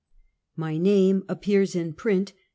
MY NAME APPEARS IN PRINT.